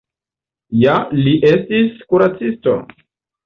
Ja li estis kuracisto.